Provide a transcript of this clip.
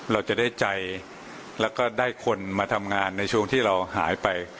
เราจะได้ใจแล้วก็ได้คนมาทำงานในช่วงที่เราหายไป